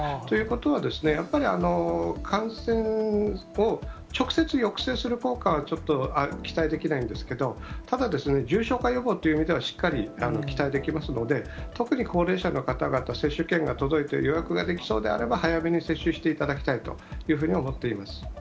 ということは、やっぱり、感染を直接抑制する効果は、ちょっと期待できないんですけど、ただですね、重症化予防という意味では、しっかり期待できますので、特に高齢者の方々、接種券が届いて、予約ができそうであれば、早めに接種していただきたいというふうに思っています。